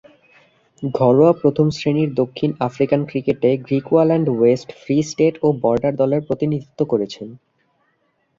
ঘরোয়া প্রথম-শ্রেণীর দক্ষিণ আফ্রিকান ক্রিকেটে গ্রিকুয়াল্যান্ড ওয়েস্ট, ফ্রি স্টেট ও বর্ডার দলের প্রতিনিধিত্ব করেছেন।